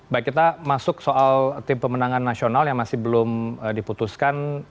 baik kita masuk soal tim pemenangan nasional yang masih belum diputuskan